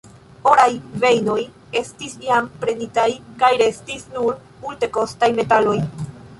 Oraj vejnoj estis jam prenitaj kaj restis nur multekostaj metaloj.